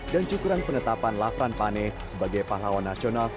dan cukuran penetapan lafran pane sebagai pahlawan nasional